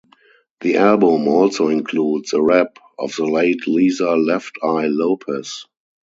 The album also includes a rap of the late Lisa "Left Eye" Lopes.